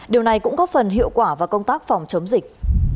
điều này cũng có phần hiệu quả vào công tác phòng chống dịch